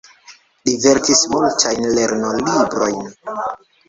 Li verkis multajn lernolibrojn.